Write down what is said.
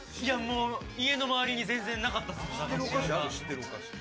家の周りに全然なかったです、駄菓子屋が。